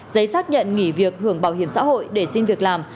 giấy xác nhận nghỉ việc hưởng bảo hiểm xã hội để xin việc làm